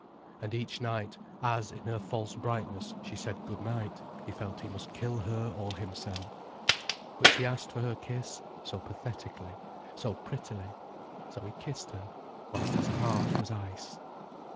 And each night, as, in her false brightness, she said Good night, he felt he must kill her or himself. But she asked for her kiss, so pathetically, so prettily. So he kissed her, whilst his heart was ice.